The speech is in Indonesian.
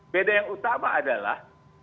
beda yang utama adalah